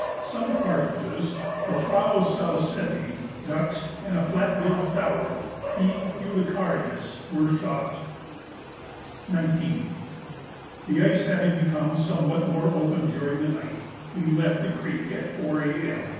Some partridges (tetrao saliceti), ducks, and a flat billed phalarope (P. fulicarius) were shot. 19th. The ice having become somewhat more open during the night, we left the creek at 4 A.M.